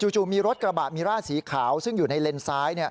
จู่มีรถกระบะมิร่าสีขาวซึ่งอยู่ในเลนซ้าย